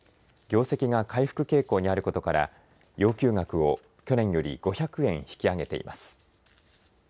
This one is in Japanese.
業績が回復傾向にあることから、要求額を去年より５００円引き上げています。